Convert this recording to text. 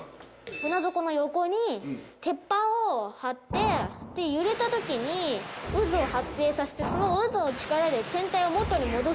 船底の横に鉄板を張って揺れた時に渦を発生させてその渦の力で船体を元に戻す装置。